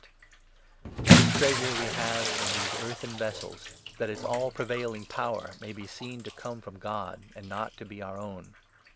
The This treasure we have in these earthen vessels, 7 weakness or that its all prevailing power may be seen to come '•* from God, and not to be our own.